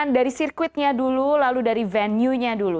dari sirkuitnya dulu lalu dari venue nya dulu